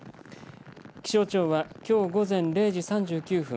気象庁は、きょう午前０時３９分